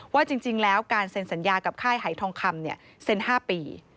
ว่าจริงแล้วการเซ็นสัญญากับค่ายหายทองคำเซ็น๕ปี